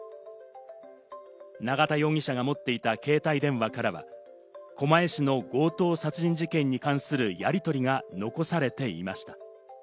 永田容疑者が持っていた携帯電話からは狛江市の強盗殺人事件に関するやりとりが残されていました。